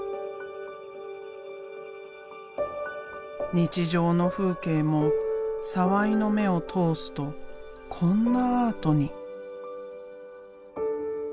日常の風景も澤井の目を通すとこんなアートに。